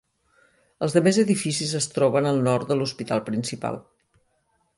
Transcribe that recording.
Els demés edificis es troben al nord de l'hospital principal.